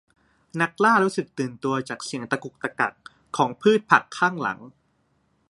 นักล่ารู้สึกตื่นตัวจากเสียงตะกุกตะกักของพืชผักข้างหลัง